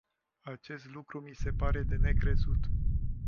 Acest lucru mi se pare de necrezut.